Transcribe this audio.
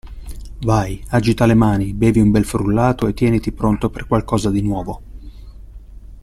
Vai, agita le mani, bevi un bel frullato, e tieniti pronto per qualcosa di nuovo!